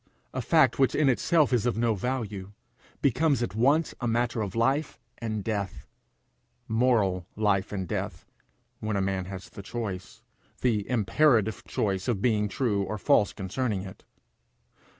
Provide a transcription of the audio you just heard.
A fact which in itself is of no value, becomes at once a matter of life and death moral life and death, when a man has the choice, the imperative choice of being true or false concerning it.